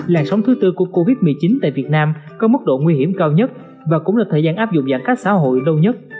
làn sóng thứ tư của covid một mươi chín tại việt nam có mức độ nguy hiểm cao nhất và cũng là thời gian áp dụng giãn cách xã hội lâu nhất